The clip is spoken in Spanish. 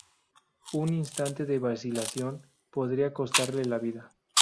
Un instante de vacilación podría costarle la vida.